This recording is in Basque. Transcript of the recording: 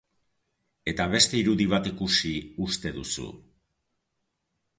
Eta beste irudi bat ikusi uste duzu...